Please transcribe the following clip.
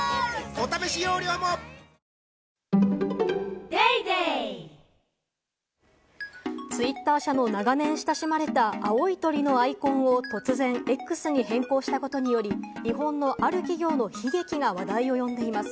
お試し容量もツイッター社の長年親しまれた青い鳥のアイコンを突然「Ｘ」に変更したことにより、日本のある企業の悲劇が話題を呼んでいます。